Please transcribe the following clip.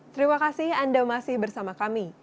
terima kasih anda masih bersama kami